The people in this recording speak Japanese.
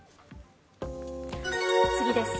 次です。